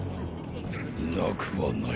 なくはない。